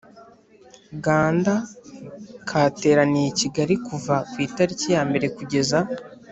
uganda kateraniye i kigali kuva ku itariki ya mbere kugeza